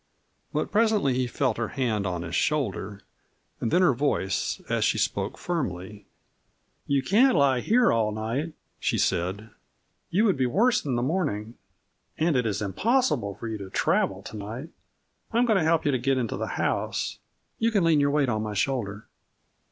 But presently he felt her hand on his shoulder, and then her voice, as she spoke firmly. "You can't lie here all night," she said. "You would be worse in the morning. And it is impossible for you to travel to night. I am going to help you to get into the house. You can lean your weight on my shoulder."